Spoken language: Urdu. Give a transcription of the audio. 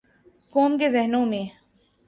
قوم کے ذہنوں میں۔